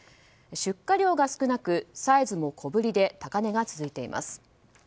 出荷量が少なくサイズも小ぶりで高値が続いています。